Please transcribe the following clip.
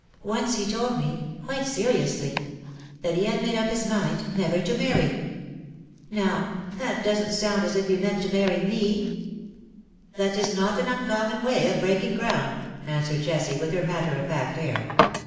Once lie told me — quite seriously — that he had made up his mind never to marry. Now, that doesn't sound as if he meant to marry me.'' "That is not an uncommon way of breaking ground/' answered Jessie, with her matter of fact air.